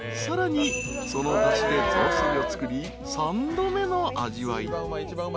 ［さらにそのだしで雑炊を作り３度目の味わい］